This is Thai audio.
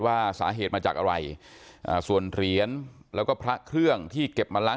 ว่าสาเหตุมาจากอะไรอ่าส่วนเหรียญแล้วก็พระเครื่องที่เก็บมาล้าง